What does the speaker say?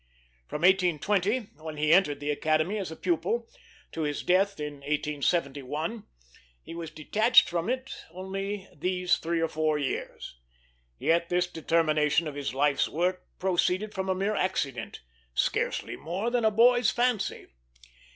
From 1820, when he entered the Academy as a pupil, to his death in 1871, he was detached from it only these three or four years. Yet this determination of his life's work proceeded from a mere accident, scarcely more than a boy's fancy.